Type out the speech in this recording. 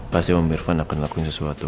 pasti om irvan akan lakuin sesuatu